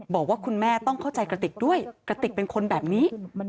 บอกว่าคุณแม่ต้องเข้าใจกระติกด้วยกระติกเป็นคนแบบนี้